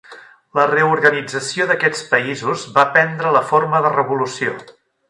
La reorganització d'aquests països va prendre la forma de revolució.